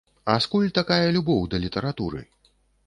А скуль такая любоў да літаратуры?